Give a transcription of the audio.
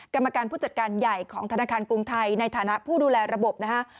กรรมการผู้จัดการใหญ่ของธนาคารกรุงไทยในฐานะผู้ดูแลระบบนะฮะ